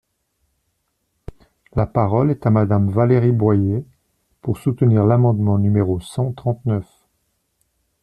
La parole est à Madame Valérie Boyer, pour soutenir l’amendement numéro cent trente-neuf.